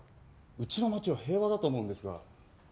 うちの町は平和だと思うんですが。